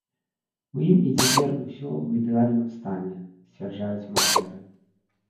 У ім і цяпер усё ў ідэальным стане, сцвярджаюць маклеры.